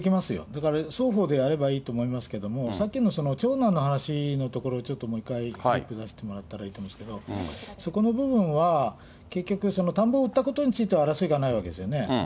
だから双方でやればいいと思いますけれども、さっきの長男の話のところ、ちょっともう一回、フリップ出してもらったらいいと思うんですけど、そこの部分は結局、田んぼを売ったことについては争いがないわけですよね。